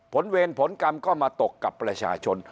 เวรผลกรรมก็มาตกกับประชาชน